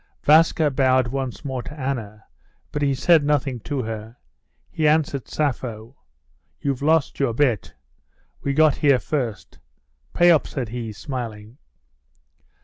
Vaska bowed once more to Anna, but he said nothing to her. He addressed Sappho: "You've lost your bet. We got here first. Pay up," said he, smiling.